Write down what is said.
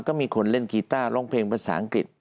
ก็มีคนเล่นกีต้าร้องเพลงภาษาอังกฤษ